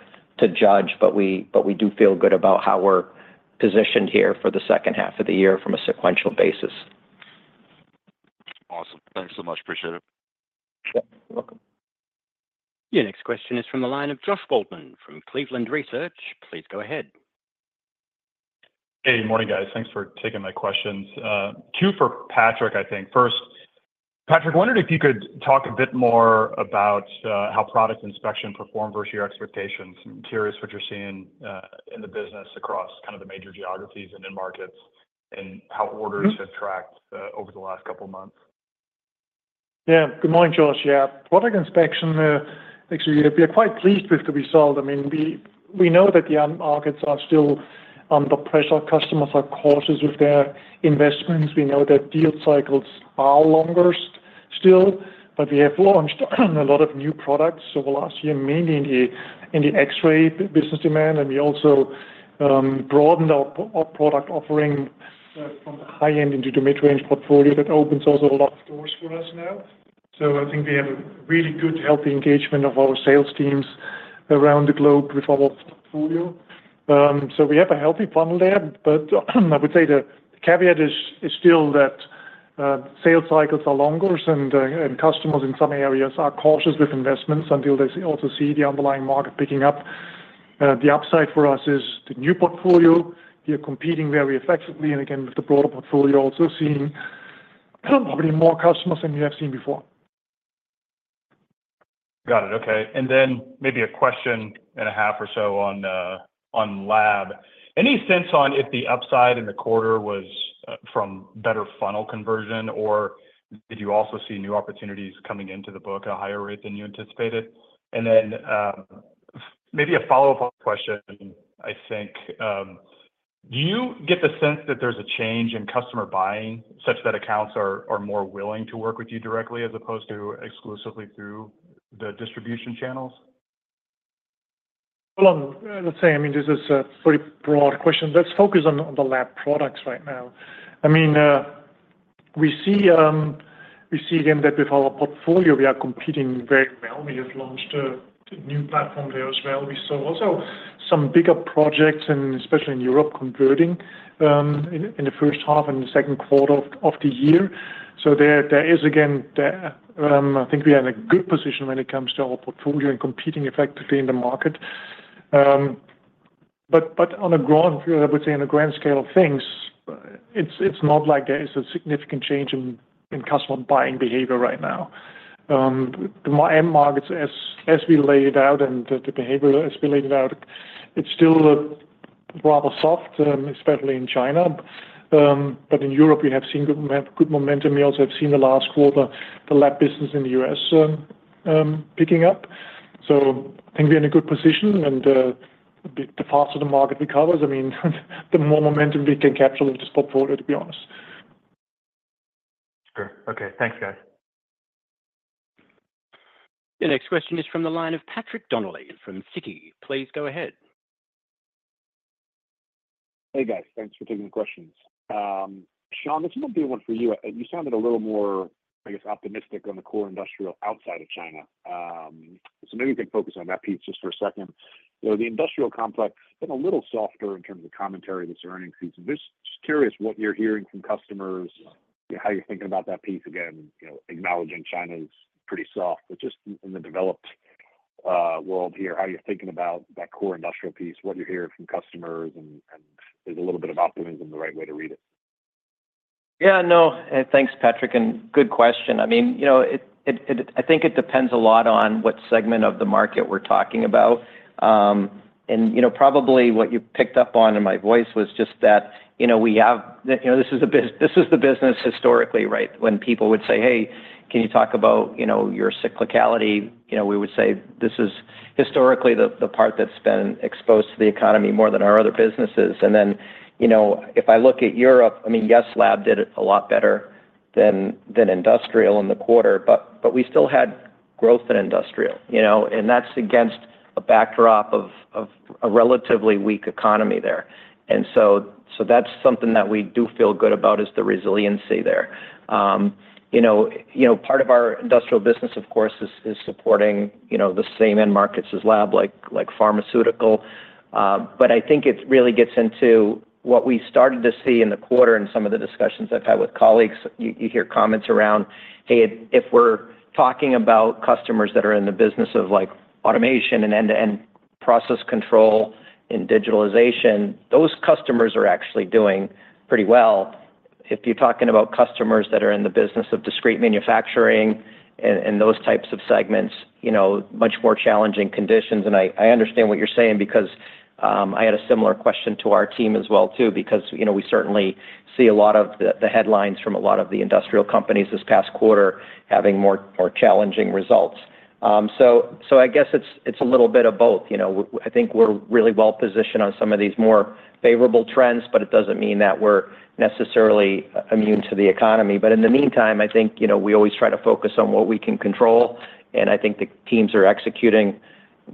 judge, but we do feel good about how we're positioned here for the second half of the year from a sequential basis. Awesome. Thanks so much. Appreciate it. Yep. Welcome. Your next question is from the line of Josh Waldman from Cleveland Research. Please go ahead. Hey, good morning, guys. Thanks for taking my questions. Two for Patrick, I think. First-... Patrick, I wondered if you could talk a bit more about how Product Inspection performed versus your expectations. I'm curious what you're seeing in the business across kind of the major geographies and end markets, and how orders have tracked over the last couple of months. Yeah. Good morning, Josh. Yeah. Product Inspection, actually, we are quite pleased with the result. I mean, we know that the end markets are still under pressure. Customers are cautious with their investments. We know that deal cycles are longer still, but we have launched a lot of new products over last year, mainly in the X-ray business demand, and we also broadened our product offering from the high end into the mid-range portfolio. That opens also a lot of doors for us now. So I think we have a really good, healthy engagement of our sales teams around the globe with our portfolio. So we have a healthy funnel there, but I would say the caveat is still that sales cycles are longer, and customers in some areas are cautious with investments until they also see the underlying market picking up. The upside for us is the new portfolio. We are competing very effectively, and again, with the broader portfolio, also seeing probably more customers than we have seen before. Got it. Okay, and then maybe a question and a half or so on lab. Any sense on if the upside in the quarter was from better funnel conversion, or did you also see new opportunities coming into the book at a higher rate than you anticipated? And then, maybe a follow-up question, I think, do you get the sense that there's a change in customer buying such that accounts are more willing to work with you directly, as opposed to exclusively through the distribution channels? Well, let's say, I mean, this is a pretty broad question. Let's focus on the Lab products right now. I mean, we see again that with our portfolio, we are competing very well. We have launched a new platform there as well. We saw also some bigger projects, and especially in Europe, converting in the first half and the second quarter of the year. So there is again. I think we are in a good position when it comes to our portfolio and competing effectively in the market. But on a broad view, I would say on a grand scale of things, it's not like there is a significant change in customer buying behavior right now. The end markets, as we laid out and the behavior as we laid it out, it's still rather soft, especially in China. But in Europe, we have seen good momentum. We also have seen the last quarter, the Lab business in the U.S., picking up. So I think we're in a good position, and the faster the market recovers, I mean, the more momentum we can capture into this portfolio, to be honest. Sure. Okay. Thanks, guys. The next question is from the line of Patrick Donnelly from Citi. Please go ahead. Hey, guys. Thanks for taking the questions. Shawn, this might be one for you. You sounded a little more, I guess, optimistic on the Core Industrial outside of China. So maybe you can focus on that piece just for a second. You know, the Industrial complex been a little softer in terms of commentary this earnings season. Just curious what you're hearing from customers, how you're thinking about that piece again, you know, acknowledging China is pretty soft, but just in the developed world here, how are you thinking about that Core Industrial piece, what you're hearing from customers, and is a little bit of optimism the right way to read it? Yeah, no. Thanks, Patrick, and good question. I mean, you know, it-- I think it depends a lot on what segment of the market we're talking about. And, you know, probably what you picked up on in my voice was just that, you know, we have... You know, this is the business historically, right? When people would say, "Hey, can you talk about, you know, your cyclicality?" You know, we would say, "This is historically the part that's been exposed to the economy more than our other businesses." And then, you know, if I look at Europe, I mean, yes, Lab did a lot better than Industrial in the quarter, but we still had growth in Industrial, you know, and that's against a backdrop of a relatively weak economy there. So that's something that we do feel good about is the resiliency there. You know, part of our Industrial business, of course, is supporting, you know, the same end markets as Lab, like pharmaceutical. But I think it really gets into what we started to see in the quarter and some of the discussions I've had with colleagues. You hear comments around, "Hey, if we're talking about customers that are in the business of, like, automation and end-to-end process control and digitalization, those customers are actually doing pretty well. If you're talking about customers that are in the business of discrete manufacturing and those types of segments, you know, much more challenging conditions." And I understand what you're saying because I had a similar question to our team as well, too, because, you know, we certainly see a lot of the headlines from a lot of the Industrial companies this past quarter having more challenging results. So, I guess it's a little bit of both. You know, I think we're really well positioned on some of these more favorable trends, but it doesn't mean that we're necessarily immune to the economy. But in the meantime, I think, you know, we always try to focus on what we can control, and I think the teams are executing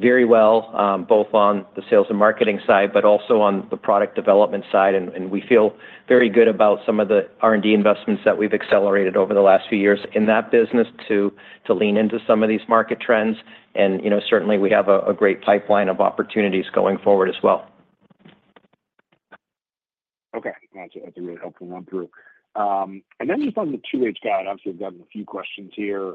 very well, both on the sales and marketing side, but also on the product development side. And we feel very good about some of the R&D investments that we've accelerated over the last few years in that business to lean into some of these market trends. And, you know, certainly, we have a great pipeline of opportunities going forward as well. Okay. Got you. That's a really helpful run through. And then just on the two-stage guide, obviously, we've gotten a few questions here.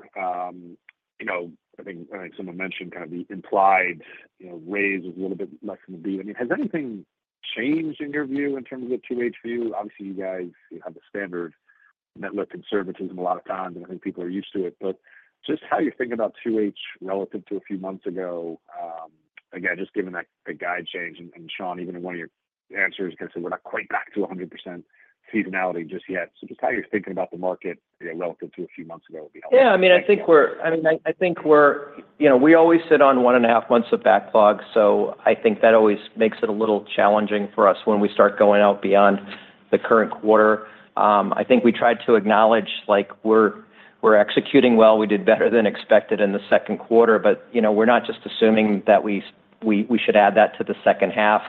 You know, I think, I think someone mentioned kind of the implied, you know, raise was a little bit less than the beat. I mean, has anything-... changed in your view, in terms of the 2H view? Obviously, you guys, you have the standard normal conservatism a lot of times, and I think people are used to it. But just how you think about 2H relative to a few months ago, again, just given that the guide change, and, and Shawn, even in one of your answers, kind of said, we're not quite back to 100% seasonality just yet. So just how you're thinking about the market, you know, relative to a few months ago would be helpful. Yeah, I mean, I think we're. You know, we always sit on one and a half months of backlog, so I think that always makes it a little challenging for us when we start going out beyond the current quarter. I think we tried to acknowledge, like, we're executing well, we did better than expected in the second quarter, but, you know, we're not just assuming that we should add that to the second half.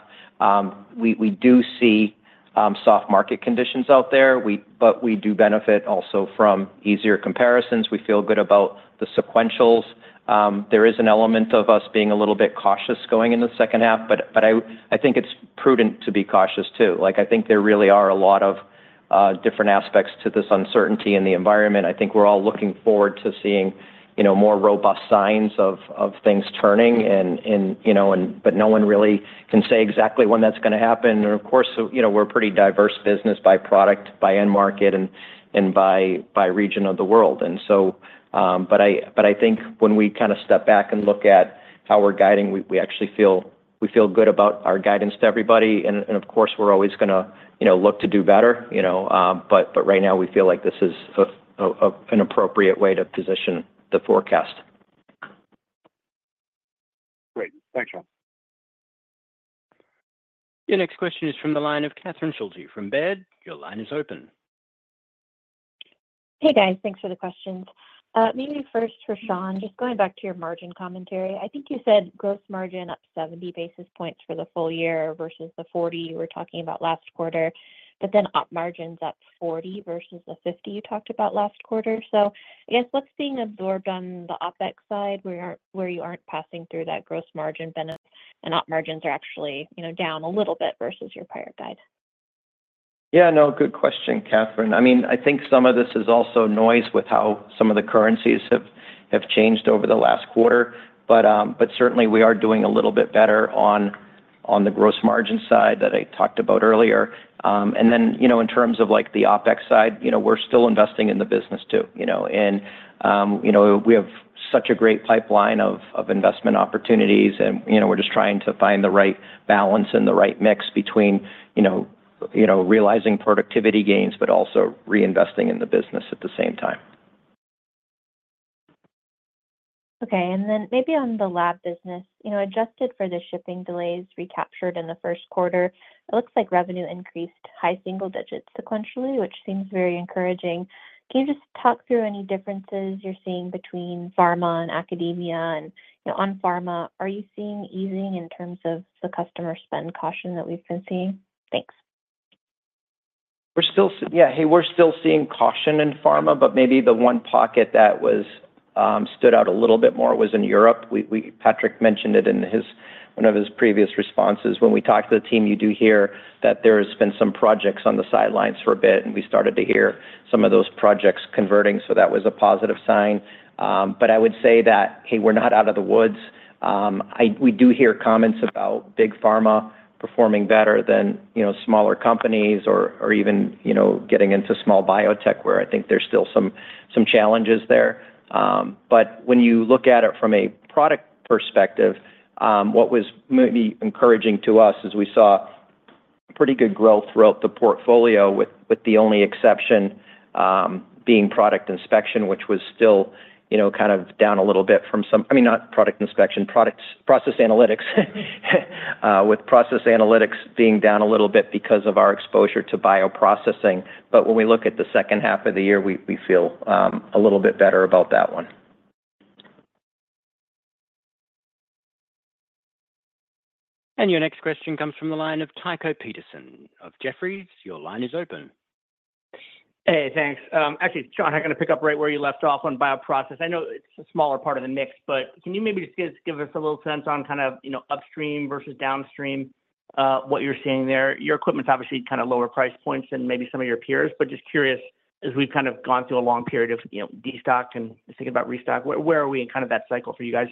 We do see soft market conditions out there. But we do benefit also from easier comparisons. We feel good about the sequentials. There is an element of us being a little bit cautious going into the second half, but I think it's prudent to be cautious, too. Like, I think there really are a lot of different aspects to this uncertainty in the environment. I think we're all looking forward to seeing, you know, more robust signs of things turning, and you know, but no one really can say exactly when that's gonna happen. And of course, you know, we're a pretty diverse business by product, by end market, and by region of the world. And so, but I think when we kinda step back and look at how we're guiding, we actually feel good about our guidance to everybody, and of course, we're always gonna, you know, look to do better, you know, but right now we feel like this is an appropriate way to position the forecast. Great. Thanks, Shawn. Your next question is from the line of Catherine Schulte from Baird. Your line is open. Hey, guys. Thanks for the questions. Maybe first for Shawn, just going back to your margin commentary. I think you said gross margin up 70 basis points for the full year versus the 40 you were talking about last quarter, but then op margins up 40 versus the 50 you talked about last quarter. So I guess, what's being absorbed on the OpEx side, where you're, where you aren't passing through that gross margin benefit, and op margins are actually, you know, down a little bit versus your prior guide? Yeah, no, good question, Catherine. I mean, I think some of this is also noise with how some of the currencies have changed over the last quarter. But certainly we are doing a little bit better on the gross margin side that I talked about earlier. And then, you know, in terms of, like, the OpEx side, you know, we're still investing in the business, too, you know. And, you know, we have such a great pipeline of investment opportunities and, you know, we're just trying to find the right balance and the right mix between, you know, realizing productivity gains, but also reinvesting in the business at the same time. Okay. And then maybe on the Lab business, you know, adjusted for the shipping delays recaptured in the first quarter, it looks like revenue increased high single digits sequentially, which seems very encouraging. Can you just talk through any differences you're seeing between pharma and academia? And, you know, on pharma, are you seeing easing in terms of the customer spend caution that we've been seeing? Thanks. We're still seeing caution in pharma, but maybe the one pocket that stood out a little bit more was in Europe. We—Patrick mentioned it in his, one of his previous responses. When we talk to the team, you do hear that there has been some projects on the sidelines for a bit, and we started to hear some of those projects converting, so that was a positive sign. But I would say that, hey, we're not out of the woods. We do hear comments about big pharma performing better than, you know, smaller companies or even, you know, getting into small biotech, where I think there's still some challenges there. But when you look at it from a product perspective, what was maybe encouraging to us is we saw pretty good growth throughout the portfolio with, with the only exception, being Product Inspection, which was still, you know, kind of down a little bit from some—I mean, not Product Inspection, Process Analytics. With Process Analytics being down a little bit because of our exposure to bioprocessing. But when we look at the second half of the year, we, we feel, a little bit better about that one. And your next question comes from the line of Tycho Peterson of Jefferies. Your line is open. Hey, thanks. Actually, Shawn, I'm gonna pick up right where you left off on bioprocess. I know it's a smaller part of the mix, but can you maybe just give us a little sense on kind of, you know, upstream versus downstream, what you're seeing there? Your equipment's obviously kind of lower price points than maybe some of your peers, but just curious, as we've kind of gone through a long period of, you know, destock and just thinking about restock, where are we in kind of that cycle for you guys?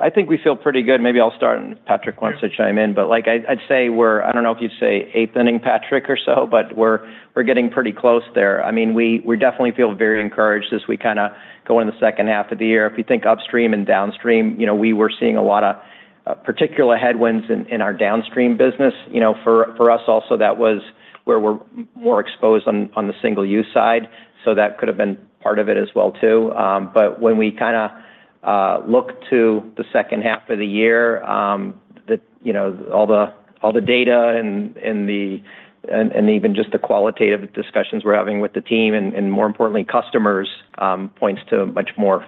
I think we feel pretty good. Maybe I'll start, and if Patrick wants to chime in. But, like, I'd say we're – I don't know if you'd say eighth inning, Patrick, or so – but we're getting pretty close there. I mean, we definitely feel very encouraged as we kinda go in the second half of the year. If you think upstream and downstream, you know, we were seeing a lot of particular headwinds in our downstream business. You know, for us also, that was where we're more exposed on the single-use side, so that could have been part of it as well, too. But when we kinda look to the second half of the year, you know, all the data and even just the qualitative discussions we're having with the team, and more importantly, customers, points to a much more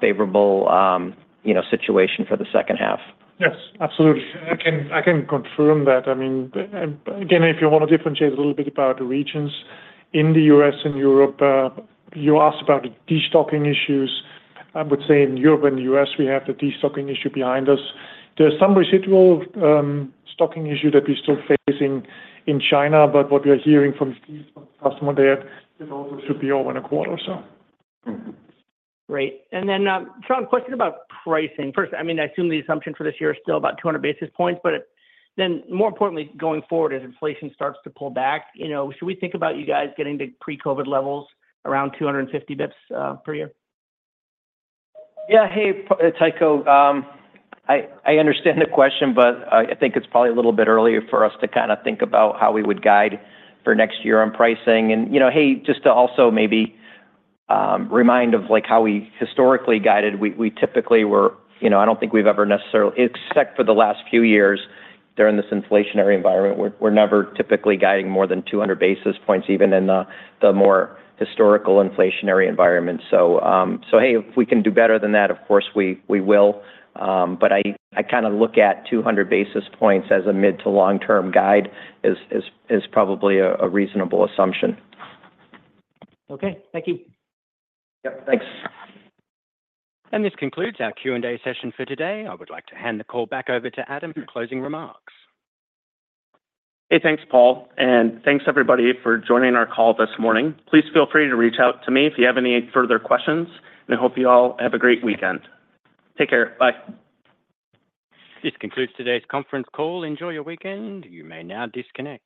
favorable, you know, situation for the second half. Yes, absolutely. I can, I can confirm that. I mean, again, if you want to differentiate a little bit about the regions in the U.S. and Europe, you asked about the destocking issues. I would say in Europe and the U.S., we have the destocking issue behind us. There's some residual, stocking issue that we're still facing in China, but what we are hearing from customers there, it also should be over in a quarter or so. Great. And then, Shawn, question about pricing. First, I mean, I assume the assumption for this year is still about 200 basis points, but then, more importantly, going forward, as inflation starts to pull back, you know, should we think about you guys getting to pre-COVID levels around 250 basis points per year? Yeah. Hey, Tycho, I understand the question, but I think it's probably a little bit earlier for us to kinda think about how we would guide for next year on pricing. And, you know, hey, just to also maybe remind of, like, how we historically guided, we typically were... You know, I don't think we've ever necessarily, except for the last few years, during this inflationary environment, we're never typically guiding more than 200 basis points, even in the more historical inflationary environment. So, hey, if we can do better than that, of course, we will. But I kinda look at 200 basis points as a mid to long-term guide, as probably a reasonable assumption. Okay. Thank you. Yep, thanks. This concludes our Q&A session for today. I would like to hand the call back over to Adam for closing remarks. Hey, thanks, Paul, and thanks, everybody, for joining our call this morning. Please feel free to reach out to me if you have any further questions, and I hope you all have a great weekend. Take care. Bye. This concludes today's conference call. Enjoy your weekend. You may now disconnect.